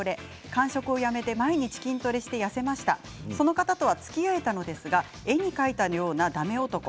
間食をやめて毎日筋トレして痩せました、その方とはつきあえたのですが絵に描いたようなだめ男。